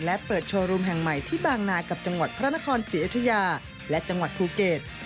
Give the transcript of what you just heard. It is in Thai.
และเปิดโชว์รูมแห่งใหม่ที่บางนากับจังหวัดพระนครศรีอยุธยาและจังหวัดภูเก็ต